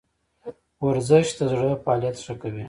ورزش د زړه فعالیت ښه کوي